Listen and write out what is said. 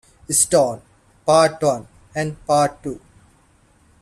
Stone, Part One" and "Part Two".